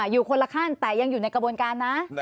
อยู่คนละขั้นแต่ยังอยู่ในกระบวนการนะ